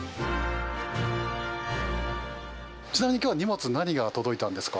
ちなみに今日は荷物何が届いたんですか？